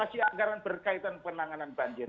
alokasi anggaran berkaitan penanganan banjir